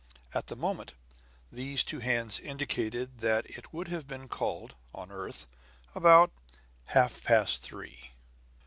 At the moment, these two hands indicated what would have been called, on the earth, about half past three.